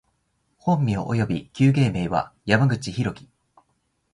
本名および旧芸名は、山口大樹（やまぐちひろき）